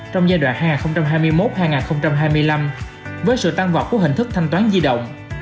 trong giai đoạn hai nghìn hai mươi một hai nghìn hai mươi năm với sự tăng vọt của hình thức thanh toán di động